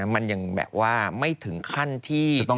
มันยังแบบว่าไม่ถึงขั้นที่